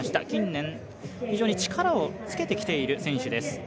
近年、非常に力をつけてきている選手です。